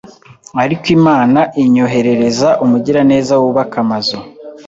ariko Imana inyoherereza umugiraneza wubaka amazu